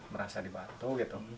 merasa dibantu gitu